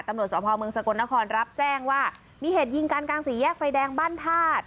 ตำรวจสภเมืองสกลนครรับแจ้งว่ามีเหตุยิงกันกลางสี่แยกไฟแดงบ้านธาตุ